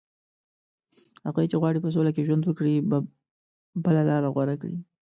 هغوی چې غواړي په سوله کې ژوند وکړي، به بله لاره غوره کړي